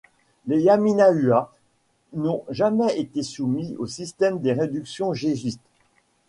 Les Yaminahua n'ont jamais été soumis au système des réductions jésuites.